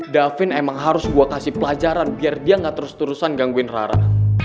davin emang harus gue kasih pelajaran biar dia nggak terus terusan gangguin rara